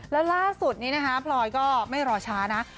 แล้วล่าสุดนี้นะคะพลอยก็ไม่รอช้านะ